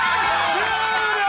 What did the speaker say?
終了！